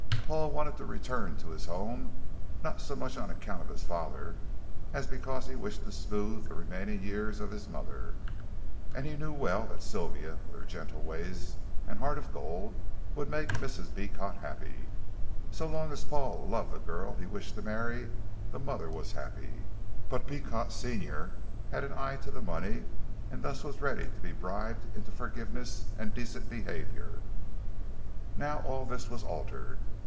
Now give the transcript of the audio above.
Paul wanted to return to his home, not so much on account of his father, as because he wished to smooth the remaining years of his mother, and he knew well that Sylvia with her gentle ways and heart of gold would make Mrs. Beecot happy. So long as Paul loved the girl he wished to marry, the mother was happy; but Beecot senior had an eye to the money, and thus was ready to be bribed into forgiveness and decent behavior. Now all this was altered.